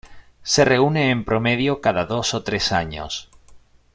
Se reúne en promedio cada dos o tres años.